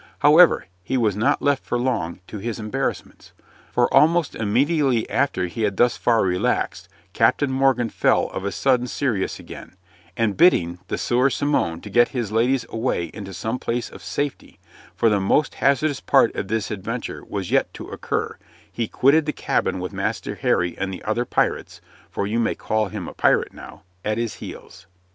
However, he was not left for long to his embarrassments, for almost immediately after he had thus far relaxed, Captain Morgan fell of a sudden serious again, and bidding the Sieur Simon to get his ladies away into some place of safety, for the most hazardous part of this adventure was yet to occur, he quitted the cabin with Master Harry and the other pirates (for you may call him a pirate now) at his heels.